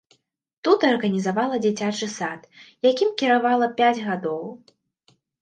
Тут арганізавала дзіцячы сад, якім кіравала пяць гадоў.